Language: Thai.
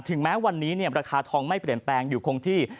แม้วันนี้ราคาทองไม่เปลี่ยนแปลงอยู่คงที่